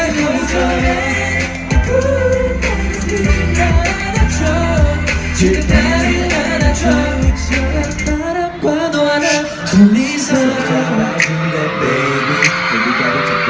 เยี่ยมมาก